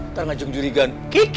ntar ngajeng jurigan